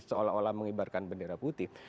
seolah olah mengibarkan bendera putih